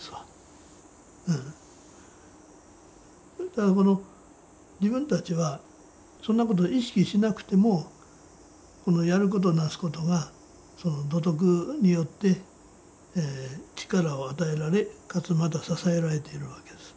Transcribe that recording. だからこの自分たちはそんなこと意識しなくてもやることなすことがその土徳によって力を与えられかつまた支えられているわけです。